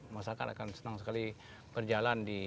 masyarakat akan senang sekali berjalan di